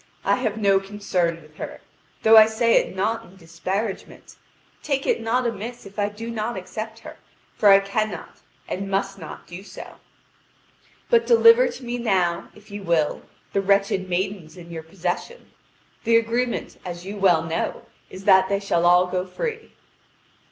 I have no concern with her, though I say it not in disparagement. Take it not amiss if I do not accept her, for I cannot and must not do so. But deliver to me now, if you will, the wretched maidens in your possession. The agreement, as you well know, is that they shall all go free."